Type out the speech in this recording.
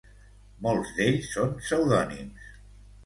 Molts d'ells són pseudònims.